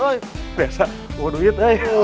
biasa buang duit